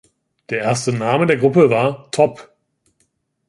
Der erste Name der Gruppe war „Top“.